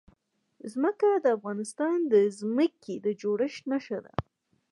ځمکه د افغانستان د ځمکې د جوړښت نښه ده.